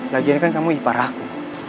lagian kan kamu ipar aku